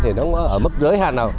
thì nó không ở mức giới hạn nào